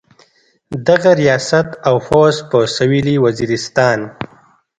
دغه ریاست او فوځ په سویلي وزیرستان.